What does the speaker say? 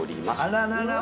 あらららっ